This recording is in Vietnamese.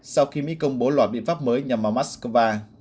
sau khi mỹ công bố loại biện pháp mới nhằm vào moscow